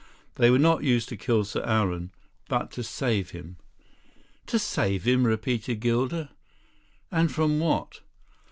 They were not used to kill Sir Aaron, but to save him." "To save him!" repeated Gilder. "And from what?"